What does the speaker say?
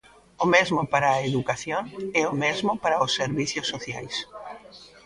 O mesmo para a educación e o mesmo para os servizos sociais.